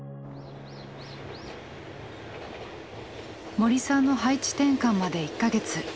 森さんの配置転換まで１か月。